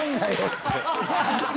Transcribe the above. って。